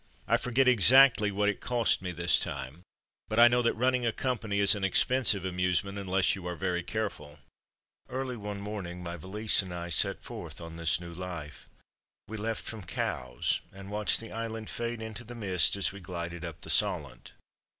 I forget exactly what it cost me this time, but I know that running a company is an expen sive amusement unless you are very careful. Early one morning, my valise and I set forth on this new life. We left from Cowes and watched the island fade into the mist as we glided up the Solent.